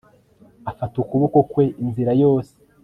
Afata ukuboko kwe inzira yose